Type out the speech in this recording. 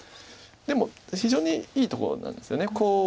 でも非常にいいところなんですよね。